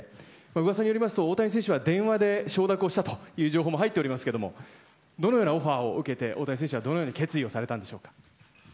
噂によりますと大谷選手は電話で承諾をしたという情報も入っておりますがどのようなオファーを受けて大谷選手はどのように決意をされたんでしょうか。